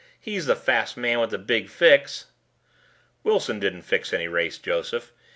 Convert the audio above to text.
He's the fast man with the big fix." "Wilson didn't fix any race, Joseph.